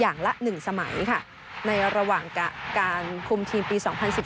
อย่างละ๑สมัยค่ะในระหว่างการคุมทีมปี๒๐๑๘